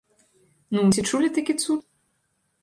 Ну, ці чулі такі цуд?